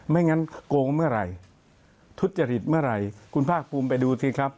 ไม่งั้นโกงเมื่อไหร่ทุจริตเมื่อไหร่คุณภาคภูมิไปดูสิครับ